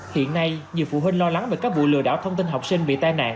hiện nay nhiều phụ huynh lo lắng về các vụ lừa đảo thông tin học sinh bị tai nạn